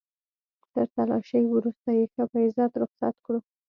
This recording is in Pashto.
تر تلاشۍ وروسته يې ښه په عزت رخصت کړو.